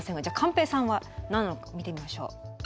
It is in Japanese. じゃあ寛平さんは何なのか見てみましょう。